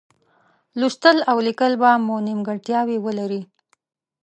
لوستل او لیکل به مو نیمګړتیاوې ولري.